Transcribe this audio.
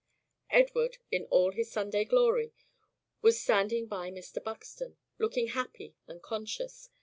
Edward, in all his Sunday glory, was standing by Mr. Buxton, looking happy and conscious.